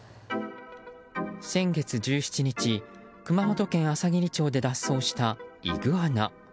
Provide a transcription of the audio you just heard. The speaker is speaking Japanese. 先月１７日熊本県あさぎり町で脱走したイグアナ。